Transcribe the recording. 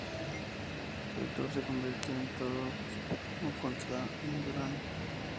El Tour se convirtió en un "todos contra Induráin".